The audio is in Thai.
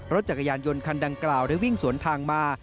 รถจักรยานยนต์คันดังกล่าวได้วิ่งสวนทางมา